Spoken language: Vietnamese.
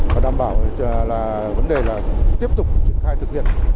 và đảm bảo là vấn đề là tiếp tục triển khai thực hiện